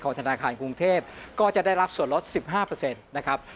ธนาคารกรุงเทพก็จะได้รับส่วนลด๑๕นะครับ